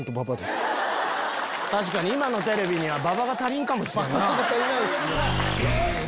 確かに今のテレビには馬場が足りんかもしれんな。